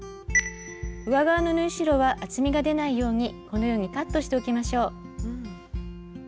上側の縫い代は厚みが出ないようにこのようにカットしておきましょう。